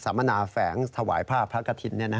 สำนาว์แฝงถวายภาพพระกฏินทร์